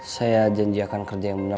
saya janji akan kerja yang bener